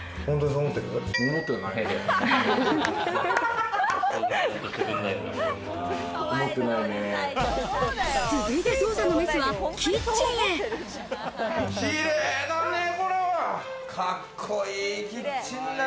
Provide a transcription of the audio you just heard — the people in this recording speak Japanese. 続いて捜査のメスはキッチンへ。